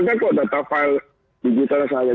ada kok data file digital saya